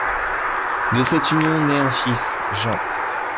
De cette union naît un fils, Jean.